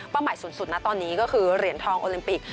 เป้าหมายสุดตอนนี้ก็คือเหรียญทองโอลิมปิก